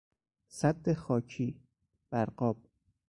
سد خاکی، برغاب